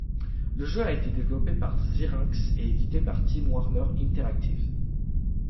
Le jeu a été développé par Zyrinx et édité par Time Warner Interactive.